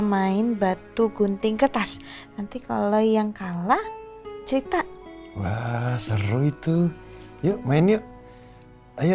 main batu gunting kertas nanti kalau yang kalah cerita wah seru itu yuk main yuk ayo